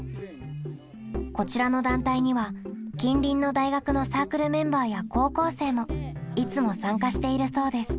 こちらの団体には近隣の大学のサークルメンバーや高校生もいつも参加しているそうです。